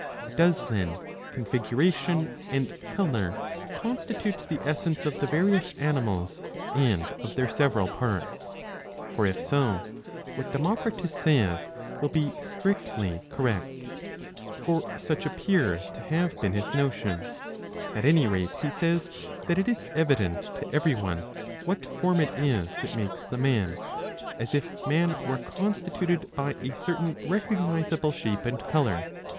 Does, then, configuration and colour constitute the essence of the various animals and of their several parts ? P^or if so, what Democritus says will be strictly correct. For such appears to have been his notion. At any rate he says that it is evident to every one what form it is that makes the man ; as if man were constituted by a certain recognisable shape and colour.